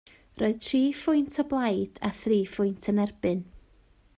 Roedd tri phwynt o blaid a thri phwynt yn erbyn.